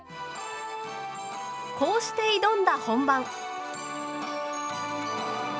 こうして挑んだ本番。